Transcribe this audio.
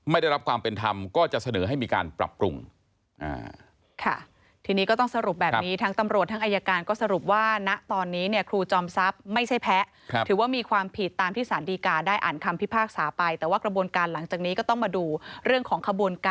ไม่ได้รับความเป็นธรรมก็จะเสนอให้มีการปรับปรุง